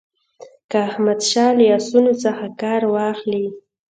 که احمدشاه له آسونو څخه کار واخلي.